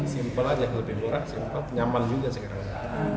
simple aja lebih murah simple nyaman juga sekarang